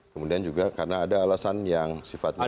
kemudian juga karena ada alasan yang sifatnya